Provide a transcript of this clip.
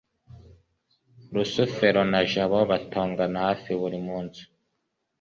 rusufero na jabo batongana hafi buri munsi